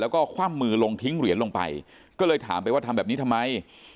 แล้วก็คว่ำมือลงทิ้งเหรียญลงไปก็เลยถามไปว่าทำแบบนี้ทำไม